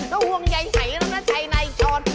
ชะหวงไยเฉยล้ำใจในช้อน